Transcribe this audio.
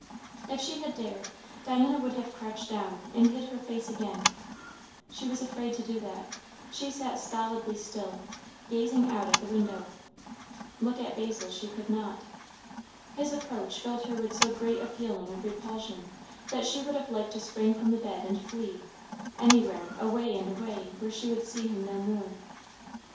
If she had dared, Diana would have crouched down and hid her face again; she was afraid to do that; she sat stolidly still, gazing out at the window. Look at Basil she could not. His approach filled her with so great a feeling of repulsion that she would have liked to spring from the bed and flee, anywhere, away and away, where she would see him no more.